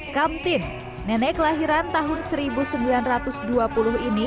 kamtin nenek kelahiran tahun seribu sembilan ratus dua puluh ini